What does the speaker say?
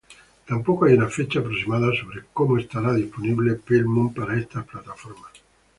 Tampoco hay una fecha aproximada sobre cuándo estará disponible Pale Moon para estas plataformas.